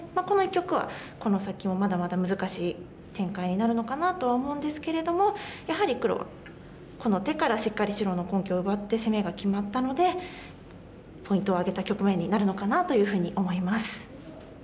この一局はこの先もまだまだ難しい展開になるのかなとは思うんですけれどもやはり黒はこの手からしっかり白の根拠を奪って攻めが決まったのでポイントを挙げた局面になるのかなというふうに思います。